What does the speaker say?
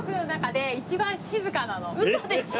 ウソでしょ！？